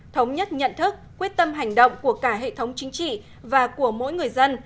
thống nhất nhận thức quyết tâm hành động của cả hệ thống chính trị và của mỗi người dân